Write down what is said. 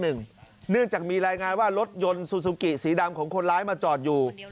เนื่องจากมีรายงานว่ารถยนต์ซูซูกิสีดำของคนร้ายมาจอดอยู่